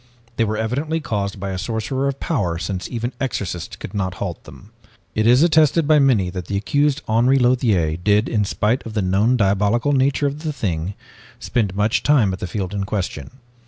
They were evidently caused by a sorcerer of power since even exorcists could not halt them. "It is attested by many that the accused, Henri Lothiere, did in spite of the known diabolical nature of the thing, spend much time at the field in question.